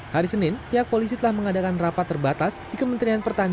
hari senin pihak polisi telah mengadakan rapat terbatas di kementerian pertanian